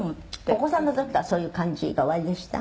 「お子さんの時からそういう感じがおありでした？」